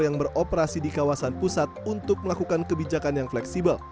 yang beroperasi di kawasan pusat untuk melakukan kebijakan yang fleksibel